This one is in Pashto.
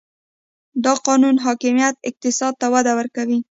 د قانون حاکمیت اقتصاد ته وده ورکوي؟